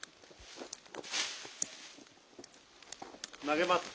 投げます。